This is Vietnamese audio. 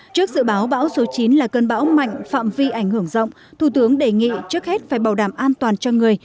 trước dự báo bão số chín là cơn bão mạnh phạm vi ảnh hưởng rộng thủ tướng đề nghị trước hết phải bảo đảm an toàn cho người